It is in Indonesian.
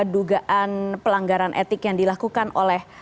dugaan pelanggaran etik yang dilakukan oleh